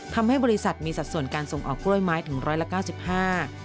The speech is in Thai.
ทำให้บริษัทมีสัดส่วนการส่งออกกล้วยไม้ถึง๑๙๕บาท